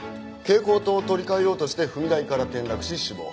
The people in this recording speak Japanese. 蛍光灯を取り換えようとして踏み台から転落し死亡。